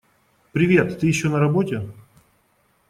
Привет! Ты ещё на работе?